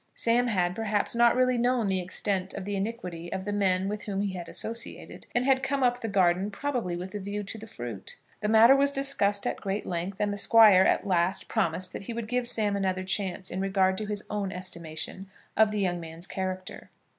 Sam had, perhaps, not really known the extent of the iniquity of the men with whom he had associated, and had come up the garden probably with a view to the fruit. The matter was discussed at great length, and the Squire at last promised that he would give Sam another chance in regard to his own estimation of the young man's character.